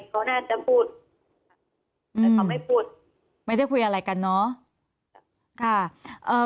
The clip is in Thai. เขาน่าจะพูดแต่เขาไม่พูดไม่ได้คุยอะไรกันเนอะค่ะเอ่อ